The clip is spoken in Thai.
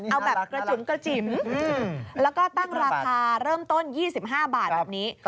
เอาแบบกระจุ๋มกระจิ๋มแล้วก็ตั้งราคาเริ่มต้น๒๕บาทแบบนี้